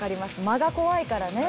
間が怖いからね。